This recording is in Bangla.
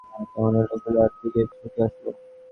তখন ঐ লোকগুলো তার দিকে ছুটে আসলো।